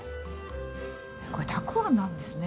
これたくあんなんですね。